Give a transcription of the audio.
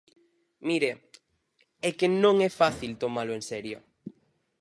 Mire, é que non é fácil tomalo en serio.